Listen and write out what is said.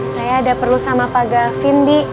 saya ada perlu sama pak gavin di